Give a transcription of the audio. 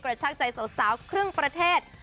ชากใจสาวครึ่งประเทศ